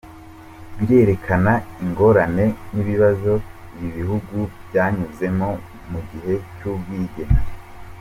Birerekana ingorane n’ibibazo ibi bihugu byanyuzemo mu gihe cy’ubwigenge.